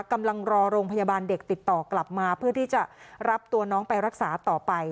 กำลังรอโรงพยาบาลเด็กติดต่อกลับมาเพื่อที่จะรับตัวน้องไปรักษาต่อไป